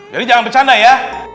jadi jangan bercanda ya